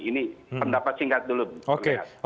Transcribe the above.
ini pendapat singkat dulu bang rehat